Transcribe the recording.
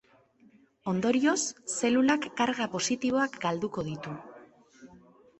Ondorioz, zelulak karga positiboak galduko ditu.